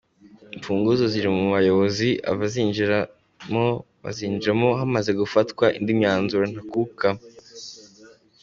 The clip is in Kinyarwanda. Imfunguzo ziri mu bayobozi, abazinjiramo bazinjiramo hamaze gufatwa indi myanzuro ntakuka.